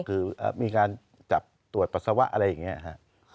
คือมีการจับตรวจปัสสาวะอะไรอย่างนี้ครับ